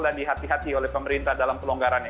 dan dihati hati oleh pemerintah dalam pelonggarannya